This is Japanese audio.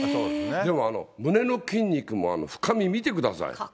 でも胸の筋肉も深み見てください。